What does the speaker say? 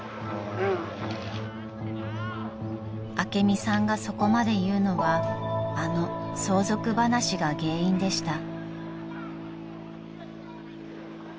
［朱美さんがそこまで言うのはあの相続話が原因でした］